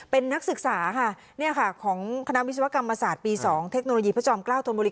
เป็นนักศึกษาค่ะของคณะวิศวกรรมศาสตร์ปี๒เทคโนโลยีพระจอมเกล้าธนบุรี